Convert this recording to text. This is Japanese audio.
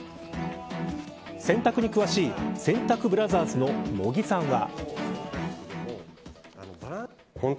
洗濯に詳しい洗濯ブラザーズの茂木さんは。